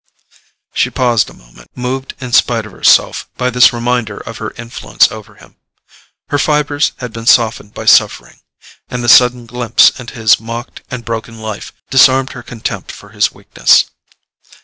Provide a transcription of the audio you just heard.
She paused a moment, moved in spite of herself by this reminder of her influence over him. Her fibres had been softened by suffering, and the sudden glimpse into his mocked and broken life disarmed her contempt for his weakness.